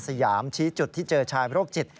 สยามชี้จุดที่เจอชายโรคจิต